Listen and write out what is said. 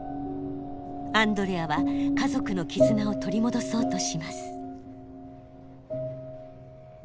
アンドレアは家族の絆を取り戻そうとします。